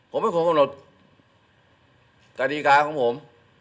ผมไม่คงคงหนดกฎีการของผม